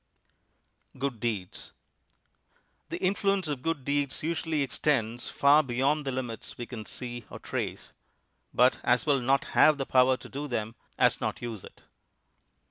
GOOD DEEDS The influence of good deeds usually extends far beyond the limits we can see or trace; but as well not have the power to do them as not use it.